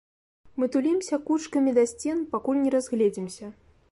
Мы тулімся кучкамі да сцен, пакуль не разгледзімся.